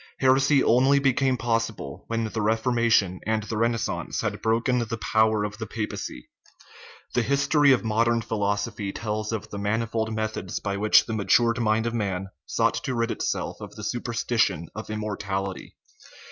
Heresy only became possible when the Reformation and the Renaissance had broken the power of the pa pacy. The history of modern philosophy tells of the manifold methods by which the matured mind of man sought to rid itself of the superstition of immortality.